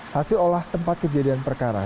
hasil olah tempat kejadian perkara